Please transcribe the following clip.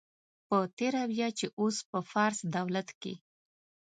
په تېره بیا چې اوس په فارس دولت کې.